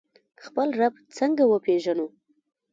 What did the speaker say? خپل رب څنګه وپیژنو؟